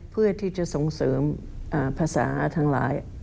เพื่อที่จะส่งเสริมภาษาทั้งหลาย